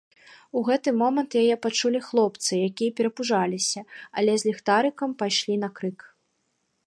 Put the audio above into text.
У гэты момант яе пачулі хлопцы, якія перапужаліся, але з ліхтарыкам пайшлі на крык.